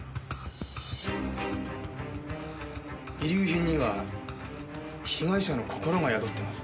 遺留品には被害者の心が宿ってます。